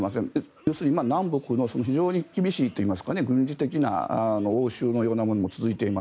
要するに、南北の非常に厳しいといいますか軍事的な応酬のようなものも続いています。